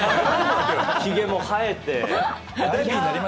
ひげも生えて。